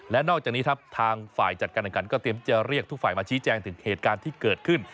และนอกจากนี้ทางฝ่ายจัดการการก็เรียกทุกฝ่ายมาชี้แจงถึงเหตุการณ์ที่เกิดขึ้น